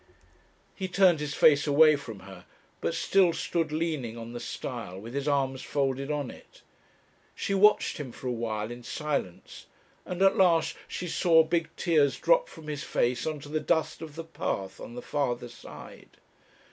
He turned his face away from her, but still stood leaning on the stile, with his arms folded on it. She watched him for a while in silence, and at last she saw big tears drop from his face on to the dust of the path on the farther side.